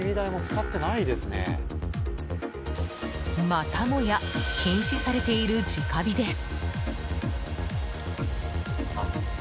またもや禁止されている直火です。